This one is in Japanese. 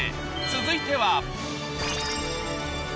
続いては。